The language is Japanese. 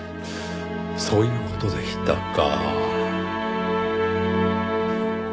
そういう事でしたか。